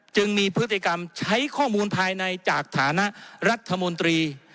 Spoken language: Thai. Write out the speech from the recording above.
จึงมีพฤติกรรมใช้ข้อมูลภายในจากฐานะรัฐมนตรี